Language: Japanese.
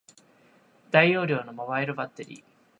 大容量のモバイルバッテリー